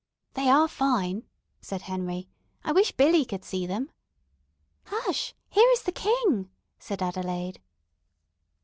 "They are fine," said Henry. "I wish Billy could see them." "Hush, here is the king," said Adelaide.